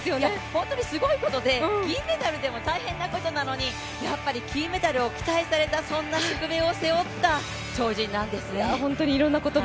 本当にすごいことで銀メダルでも大変なことなのに、やっぱり金メダルを期待された、そんな宿命を背負った超人なんですね。